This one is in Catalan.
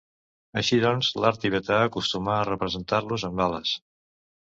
Així doncs, l'art tibetà acostuma a representar-los amb ales.